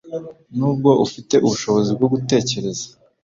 Nubwo ufite ubushobozi bwo gutekereza,